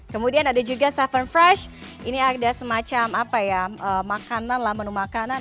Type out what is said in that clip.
kemudian ada juga seven fresh ini ada semacam apa ya makanan lah menu makanan